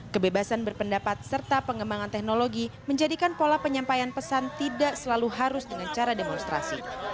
kebebasan berpendapat serta pengembangan teknologi menjadikan pola penyampaian pesan tidak selalu harus dengan cara demonstrasi